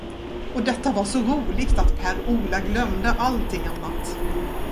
Och detta var så roligt, att Per Ola glömde allting annat.